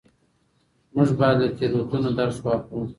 موږ بايد له تېروتنو درس واخلو.